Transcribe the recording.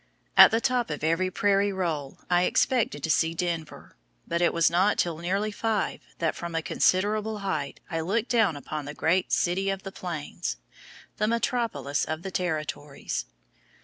At the top of every prairie roll I expected to see Denver, but it was not till nearly five that from a considerable height I looked down upon the great "City of the Plains," the metropolis of the Territories.